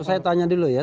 saya tanya dulu ya